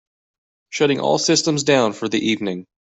Shutting all systems down for the evening.